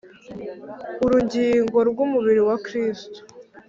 urugingo rw umubiri wa Kristo